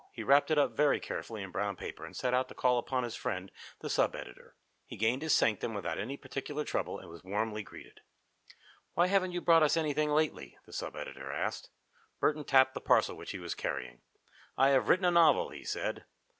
He wrapped it up very carefully in brown paper and set out to call upon his friend the sub editor. He gained his sanctum without any particular trouble and was warmly greeted. "Why haven't you brought us anything lately?" the sub editor asked. Burton tapped the parcel which he was carrying. "I have written a novel," he said.